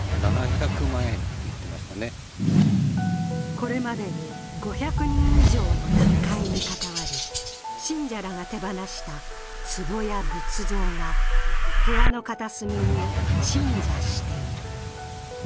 これまでに５００人以上の脱会に関わり、信者らが手放したつぼや仏像が部屋の片隅に鎮座している。